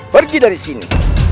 pergi dari sini